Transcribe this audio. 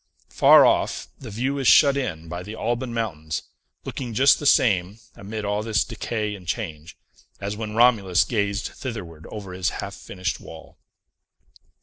Far off, the view is shut in by the Alban Mountains, looking just the same, amid all this decay and change, as when Romulus gazed thitherward over his half finished wall.